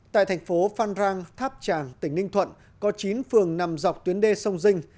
tại thành phố phan rang tháp tràm tỉnh ninh thuận có chín phường nằm dọc tuyến đê sông dinh